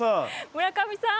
村上さん！